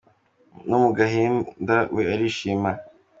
No mugahinda we arishima.